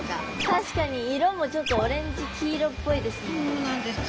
確かに色もちょっとオレンジ黄色っぽいですもんね。